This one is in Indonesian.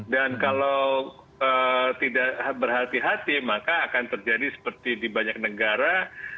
dan kalau tidak berhati hati maka akan terjadi seperti di banyak negara